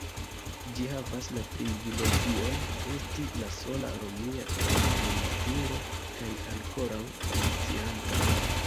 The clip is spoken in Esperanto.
Ĝi havas la privilegion esti la sola romia lumturo kaj ankoraŭ funkcianta.